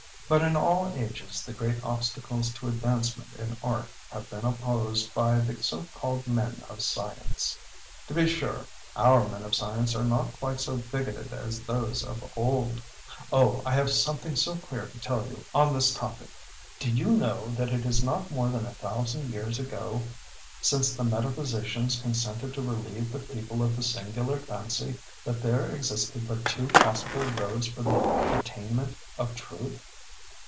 But in all ages the great obstacles to advancement in Art have been opposed by the so called men of science. To be sure, our men of science are not quite so bigoted as those of old:—oh, I have something so queer to tell you on this topic. Do you know that it is not more than a thousand years ago since the metaphysicians consented to relieve the people of the singular fancy that there existed but two possible roads for the attainment of Truth!